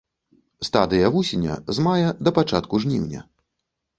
Стадыя вусеня з мая да пачатку жніўня.